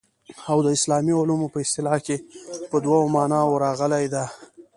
او د اسلامي علومو په اصطلاح کي په دوو معناوو راغلې ده.